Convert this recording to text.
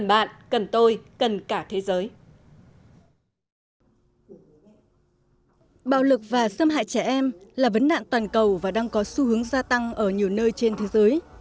bạo lực và xâm hại trẻ em là vấn nạn toàn cầu và đang có xu hướng gia tăng ở nhiều nơi trên thế giới